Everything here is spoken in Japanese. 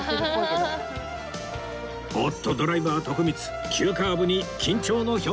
おっとドライバー徳光急カーブに緊張の表情だ